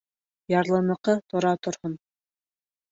Ярлыныҡы тора торһон.